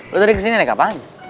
lo tadi kesini kapan